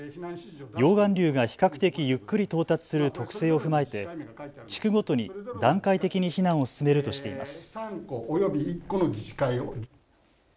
溶岩流が比較的ゆっくり到達する特性を踏まえて地区ごとに段階的に避難を進めるとしています。